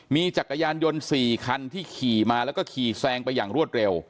มีจักรยานยนต์๔คันที่ขี่มาแล้วก็ขี่แซงไปอย่างรวดเร็ว